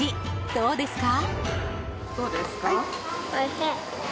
どうですか？